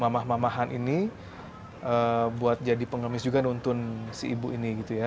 mamah mamahan ini buat jadi pengemis juga nuntun si ibu ini gitu ya